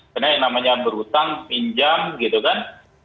karena yang namanya berhutang pinjam gitu kan